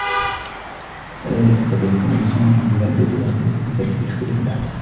وَذَلِكَ قَدْ يَكُونُ بِصُنُوفٍ مِنْ الْبِرِّ وَيَخْتَلِفُ بِسَبَبِ اخْتِلَافِ الْأَحْوَالِ